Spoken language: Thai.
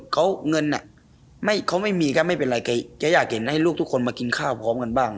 เขาเงินน่ะไม่เขาไม่มีก็ไม่เป็นไรแกอยากเห็นให้ลูกทุกคนมากินข้าวพร้อมกันบ้าง